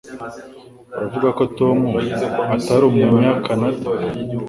Uravuga ko Tom atari Umunyakanada